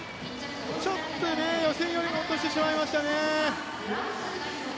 ちょっと予選より落としてしまいましたね。